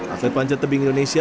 atlet panjat tebing indonesia